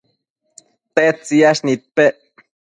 tedtsiyash nidpec